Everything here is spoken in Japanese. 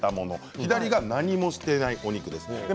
左が何もしていないお肉です。